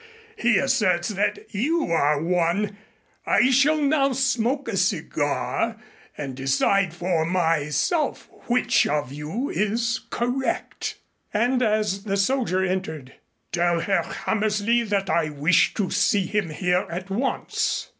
He asserts that you are one. I shall now smoke a cigar and decide for myself which of you is correct." And, as the soldier entered, "Tell Herr Hammersley that I wish to see him here at once."